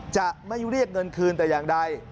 จะไม่เรียกเงินคืนแต่อย่างใด